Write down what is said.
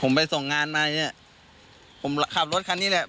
ผมไปส่งงานมาแล้วผมขับรถคันนี้แหละ